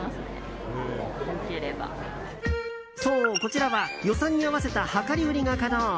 そう、こちらは予算に合わせた量り売りが可能。